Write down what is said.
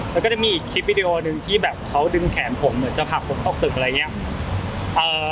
แล้วก็จะมีอีกคลิปวิดีโอหนึ่งที่แบบเขาดึงแขนผมเหมือนจะผลักผมออกตึกอะไรอย่างนี้